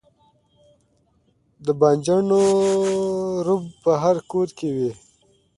د رومي بانجان رب په هر کور کې وي.